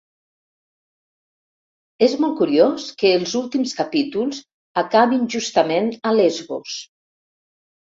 És molt curiós que els últims capítols acabin justament a Lesbos.